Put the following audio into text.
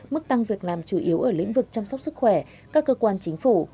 mức tăng việc làm chủ yếu ở lĩnh vực chăm sóc sức khỏe các cơ quan chính phủ